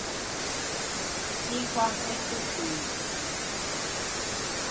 Çinquant’eutto scioî.